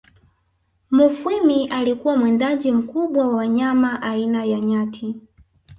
Mufwimi alikuwa mwindaji mkubwa wa wanyama aina ya Nyati